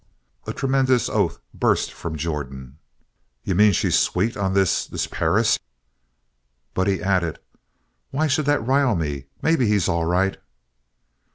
A tremendous oath burst from Jordan. "You mean she's sweet on this this Perris?" But he added: "Why should that rile me? Maybe he's all right."